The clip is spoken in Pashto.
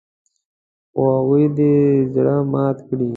خو هغه دې زړه مات کړي .